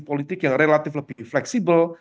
politik yang relatif lebih fleksibel